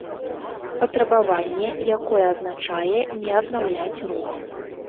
Патрабаванне, якое азначае не аднаўляць рух